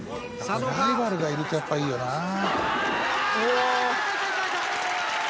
ライバルがいるとやっぱいいよなあ。